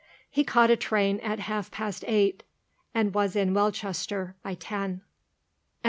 He caught a train at half past eight, and was at Welchester by ten. CHAPTER XI.